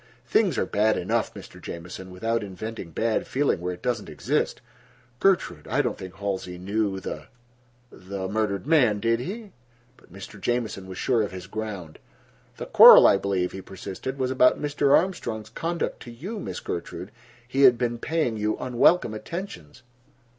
"Things are bad enough, Mr. Jamieson, without inventing bad feeling where it doesn't exist. Gertrude, I don't think Halsey knew the—the murdered man, did he?" But Mr. Jamieson was sure of his ground. "The quarrel, I believe," he persisted, "was about Mr. Armstrong's conduct to you, Miss Gertrude. He had been paying you unwelcome attentions."